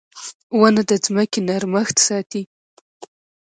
• ونه د ځمکې نرمښت ساتي.